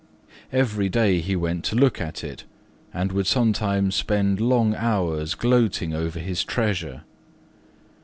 Every day he went to look at it, and would sometimes spend long hours gloating over his treasure.